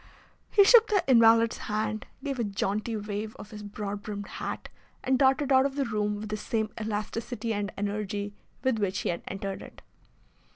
He shook the invalid's hand, gave a jaunty wave of his broad brimmed hat, and darted out of the room with the same elasticity and energy with which he had entered it.